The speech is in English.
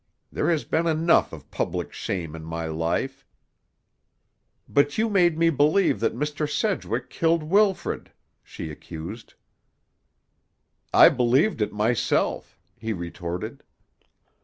There has been enough of public shame in my life." "But you made me believe that Mr. Sedgwick killed Wilfrid!" she accused. "I believed it myself," he retorted.